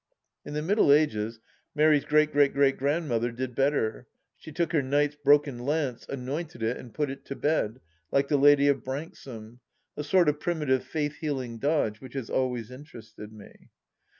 In the Middle Ages, Mary's great great great grandmother did better; she took her knight's broken lance, anointed it and put it to bed, like the Ladye of Branksome — a sort of primitive faith healing dodge which has always interested me.